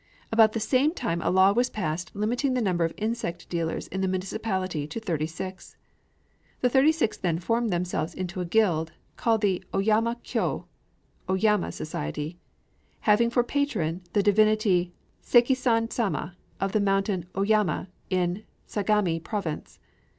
About the same time a law was passed limiting the number of insect dealers in the municipality to thirty six. The thirty six then formed themselves into a guild, called the Ōyama Kō ("Ōyama Society"), having for patron the divinity Sekison Sama of the mountain Ōyama in Sagami Province.